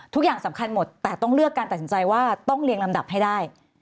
ทุกอย่างสำคัญหมดแต่ต้องเลือกการตัดสินใจว่าต้องเรียงลำดับให้ได้